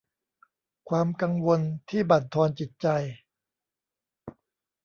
ความกังวลที่บั่นทอนจิตใจ